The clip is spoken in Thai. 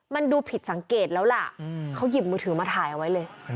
มันดูผิดสังเกตแล้วล่ะเขาหยิบมือถือมาถ่ายเอาไว้เลย